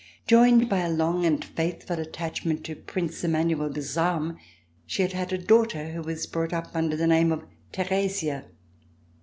Joined by a long and faithful attachment to Prince Emmanuel de Salm, she had had a daughter who was brought up under the name of Theresia.